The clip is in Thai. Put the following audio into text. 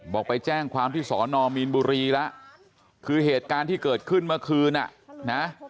ไปแจ้งความที่สอนอมีนบุรีแล้วคือเหตุการณ์ที่เกิดขึ้นเมื่อคืนอ่ะนะ